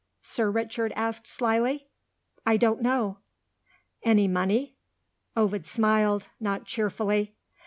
Sir Richard asked slyly. "I don't know." "Any money?" Ovid smiled not cheerfully.